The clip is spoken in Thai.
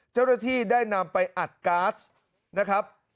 เจ้าหน้าที่ได้นำไปอัดก๊าซนะครับ